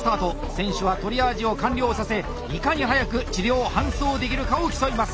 選手はトリアージを完了させいかに早く治療・搬送できるかを競います。